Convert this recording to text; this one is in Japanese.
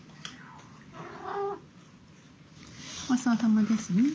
ごちそうさまですね？